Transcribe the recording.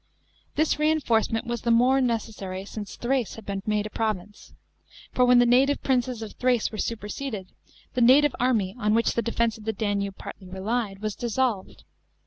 This reinforcement was the more necessary since Thrace had been made a province. For when the native princes of Thrace were superseded, the native army, on which the defence of the Danube partly relied, was dissolved.